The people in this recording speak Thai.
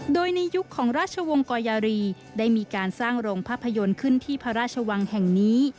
โดยในยุคของราชวงศ์กอยารีได้มีการสร้างโรงภาพยนตร์ขึ้นที่พระราชวังแห่งนี้